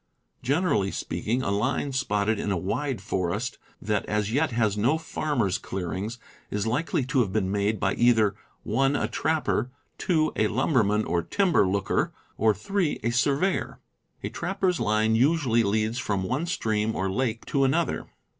Generally speaking, a line spotted in a wide forest that as yet has no farmers' clearings is likely to have been made by either (1) a trapper, (2) a lumberman or timber looker, or (3) a surveyor. _,, usually leads from one stream or lake r. to another.